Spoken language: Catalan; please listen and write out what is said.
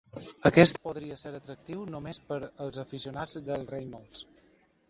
Aquest podria ser atractiu només per als aficionats de Reynolds.